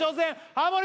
ハモリ